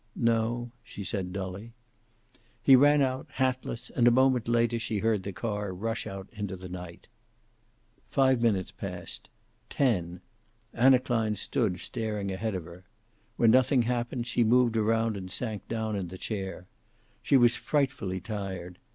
"No," she said, dully. He ran out, hatless, and a moment later she heard the car rush out into the night. Five minutes passed. Ten. Anna Klein stood, staring ahead of her. When nothing happened she moved around and sat down in the chair. She was frightfully tired.